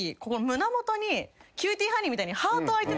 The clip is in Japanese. キューティーハニーみたいに。